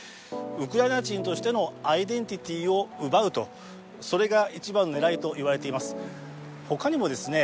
ウクライナ人としてのアイデンティティを奪うとそれが一番の狙いといわれています他にもですね